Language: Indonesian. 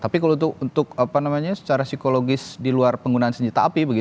tapi kalau untuk secara psikologis di luar penggunaan senjata api